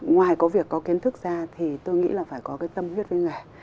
ngoài có việc có kiến thức ra thì tôi nghĩ là phải có cái tâm huyết với nghề